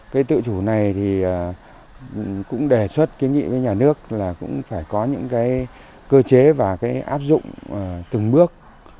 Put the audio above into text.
cái tự chủ này thì cũng đề xuất cái nghĩa với nhà nước là cũng phải có những cái cơ chế và cái áp dụng từng bước